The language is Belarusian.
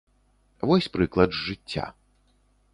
Вось прыклад з жыцця.